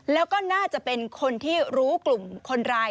แล้วก็น่าจะเป็นคนที่รู้กลุ่มคนร้าย